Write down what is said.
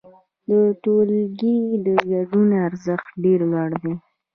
د ټولګي د ګډون ارزښت ډېر لوړ دی.